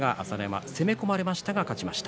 攻め込まれましたが勝ちました。